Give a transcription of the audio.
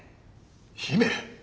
姫！